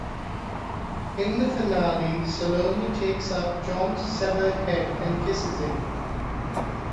In the finale, Salome takes up John's severed head and kisses it.